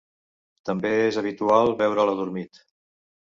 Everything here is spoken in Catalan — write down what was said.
També és habitual veure'l adormit.